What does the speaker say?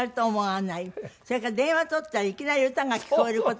それから電話取ったらいきなり歌が聞こえる事も少ない。